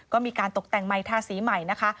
ก็มีการตกแต่งใหม่ทาสีใหม่นะคะ